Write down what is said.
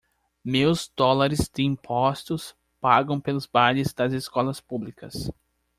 Meus dólares de impostos pagam pelos bailes das escolas públicas.